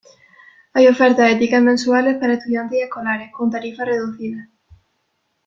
Hay ofertas de tickets mensuales para estudiantes y escolares, con tarifas reducidas.